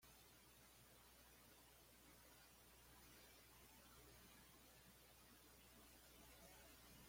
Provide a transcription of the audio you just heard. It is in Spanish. El elegido para reemplazar a West fue James Murphy, integrante de Death.